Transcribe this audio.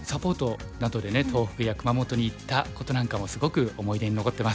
東北や熊本に行ったことなんかもすごく思い出に残ってます。